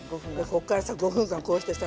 こっからさ５分間こうしてさ。